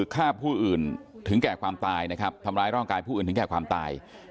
ฆ่าผู้อื่นถึงแก่ความตายนะครับทำร้ายร่างกายผู้อื่นถึงแก่ความตาย